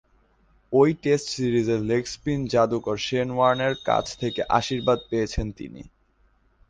ঐ টেস্ট সিরিজে leg spin যাদুকর শেন ওয়ার্নের কাছ থেকে আশীর্বাদ পেয়েছেন তিনি।